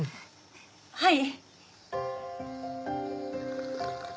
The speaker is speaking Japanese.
はい。